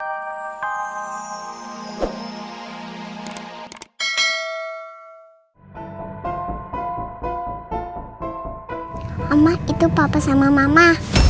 emak itu papa sama mama